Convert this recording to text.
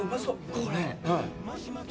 これ。